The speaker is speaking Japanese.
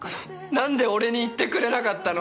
何で俺に言ってくれなかったの？